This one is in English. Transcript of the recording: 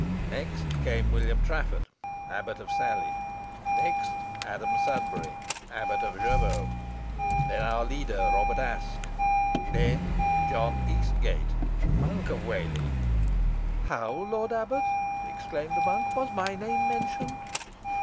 "Next came William Trafford, Abbot of Salley. Next Adam Sudbury, Abbot of Jervaux. Then our leader, Robert Aske. Then John Eastgate, Monk of Whalley " "How, lord abbot!" exclaimed the monk. "Was my name mentioned?"